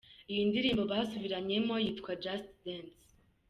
Y indirimbo basubiranyemo yitwa ‘Just Dance’.